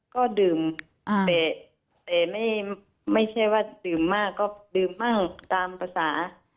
ก็ดื่มแต่ไม่ใช่ว่าดื่มมากก็ดื่มบ้างตามภาษา